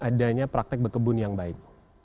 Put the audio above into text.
adanya praktek berkebun yang baik